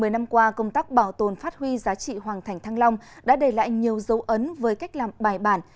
một mươi năm qua công tác bảo tồn phát huy giá trị hoàng thành thăng long đã đề lại nhiều dấu ấn với cách làm bài bản